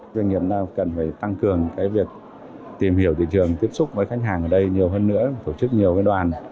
doanh nghiệp nào cần phải tăng cường cái việc tìm hiểu thị trường tiếp xúc với khách hàng ở đây nhiều hơn nữa tổ chức nhiều đoàn